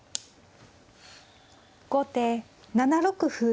後手７六歩。